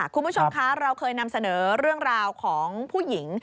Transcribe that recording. คุณผู้ชมคะเราเคยนำเสนอเรื่องราวของผู้หญิง